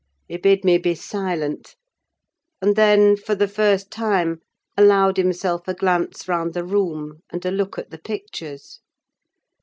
He bid me be silent; and then, for the first time, allowed himself a glance round the room and a look at the pictures.